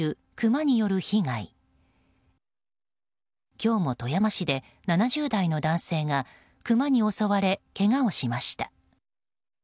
今日も、富山市で７０代の男性がクマに襲われ、けがをしました。